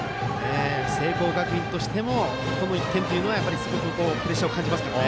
聖光学院としてもこの１点というのはすごくプレッシャーを感じますよ。